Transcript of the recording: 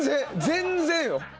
全然よ！